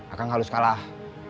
akang harus kalah